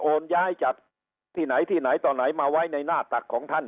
ย้ายจากที่ไหนที่ไหนต่อไหนมาไว้ในหน้าตักของท่าน